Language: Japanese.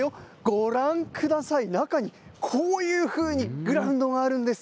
ご覧ください、中にこういうふうにグラウンドがあるんです。